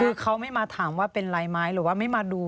คือเขาไม่มาถามว่าเป็นไรไหมหรือว่าไม่มาดู